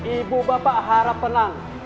ibu bapak harap tenang